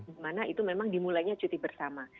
dimana itu memang dimulainya cuti bersama